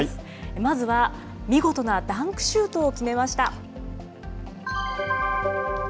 まずは見事なダンクシュートを決めました。